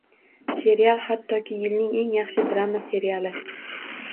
Serial hattoki «Yilning eng yaxshi drama seriali»